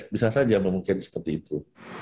bisa saja memungkin seperti itu